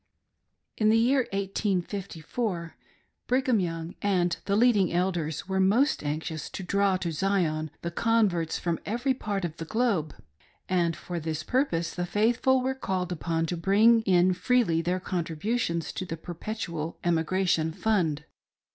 In the year 1854, Brigham Young and the leading Elders were most anxious to draw to Zion the converts from every part of the globe ; and for this purpose the faithful were called , upon to bring in freely their contributions to the Perpetual Emigration Fund.